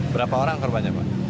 berapa orang korbannya pak